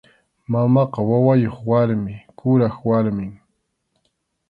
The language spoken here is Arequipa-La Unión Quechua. Mamaqa wawayuq warmi, kuraq warmim.